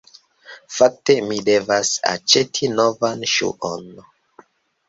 Fakte, mi devas aĉeti novan ŝuon